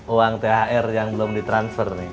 uang thr yang belum di transfer nih